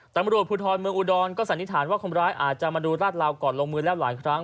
สนับประโยชน์พูดธรรมเมืองอุดรก็สันนิษฐานว่าคนร้ายอาจจะมาดูราศลาวบอกลดลงมือแล้วหลายครั้ง